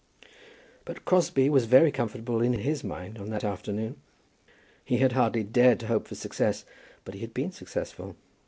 But Crosbie was very comfortable in his mind on that afternoon. He had hardly dared to hope for success, but he had been successful.